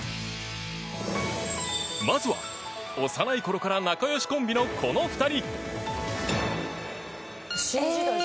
まずは、幼い頃から仲よしコンビのこの２人。